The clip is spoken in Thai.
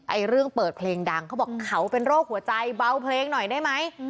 เรื่องเปิดเพลงดังเขาบอกเขาเป็นโรคหัวใจเบาเพลงหน่อยได้ไหม